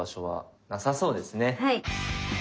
はい。